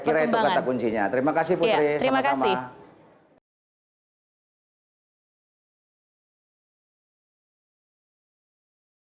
kita akan mendapatkan jawaban dari para presidennya